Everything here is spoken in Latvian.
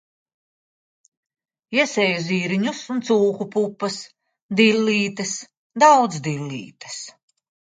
Iesēju zirņus un cūku pupas. Dillītes, daudz dillītes.